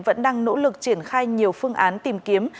vẫn đang nỗ lực triển khai nhiều phương án tìm kiếm